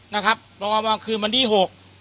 นะครับเพราะว่าคือวันดี้หก